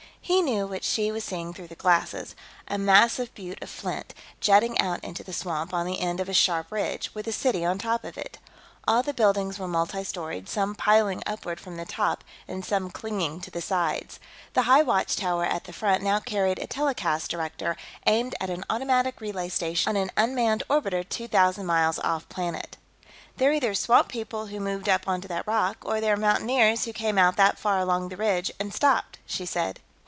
He knew what she was seeing through the glasses a massive butte of flint, jutting out into the swamp on the end of a sharp ridge, with a city on top of it. All the buildings were multi storied, some piling upward from the top and some clinging to the sides. The high watchtower at the front now carried a telecast director, aimed at an automatic relay station on an unmanned orbiter two thousand miles off planet. "They're either swamp people who moved up onto that rock, or they're mountaineers who came out that far along the ridge and stopped," she said.